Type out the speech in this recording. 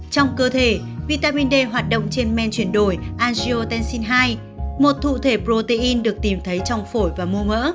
trong cơ thể vitamin d hoạt động trên men chuyển đổi agriotencin hai một thụ thể protein được tìm thấy trong phổi và mô mỡ